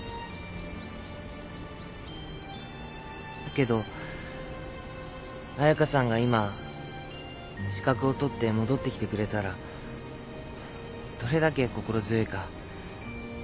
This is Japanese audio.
だけど彩佳さんが今資格を取って戻ってきてくれたらどれだけ心強いか。